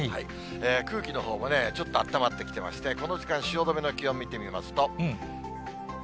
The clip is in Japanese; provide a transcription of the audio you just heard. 空気のほうもね、ちょっとあったまってきてまして、この時間、２０度超えてますね。